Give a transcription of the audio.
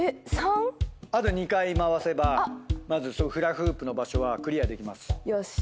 あと２回回せばまずフラフープの場所はクリアできます。